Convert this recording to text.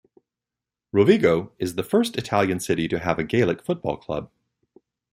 Rovigo is the first Italian city to have a Gaelic football club.